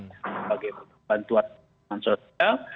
sebagai bantuan sosial